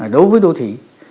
đối với đô thị